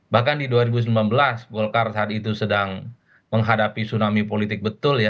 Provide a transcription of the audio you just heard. bahkan di dua ribu sembilan belas golkar saat itu sedang menghadapi tsunami politik betul ya